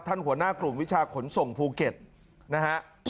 หัวหน้ากลุ่มวิชาขนส่งภูเก็ตนะฮะ